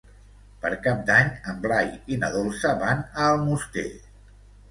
Per Cap d'Any en Blai i na Dolça van a Almoster.